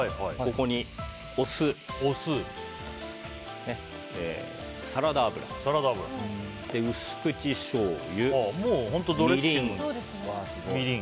ここにお酢、サラダ油薄口しょうゆ、みりん。